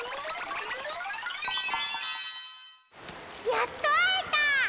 やっとあえた！